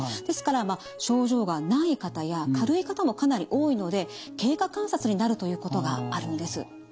ですから症状がない方や軽い方もかなり多いので経過観察になるということがあるんです。